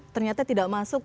ternyata tidak masuk